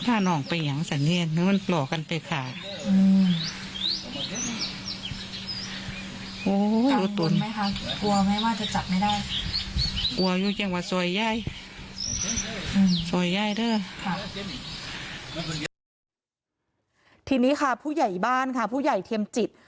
ทีนี้ค่ะผู้ใหญ่บ้านค่ะผู้ใหญ่เทียมจิต